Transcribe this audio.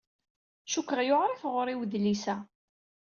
Cukkeɣ yewɛeṛ i tɣuṛi wedlis-a.